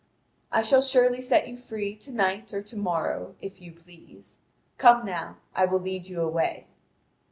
I shall surely set you free to night or to morrow, if you please. Come now, I will lead you away."